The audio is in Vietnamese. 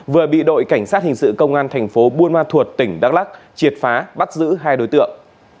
vừa bị đội cảnh sát hình sự công an thành phố buôn ma thuột tỉnh đắk lắc triệt phá bắt giữ hai đối tượng